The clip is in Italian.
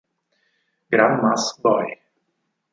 Grandma's Boy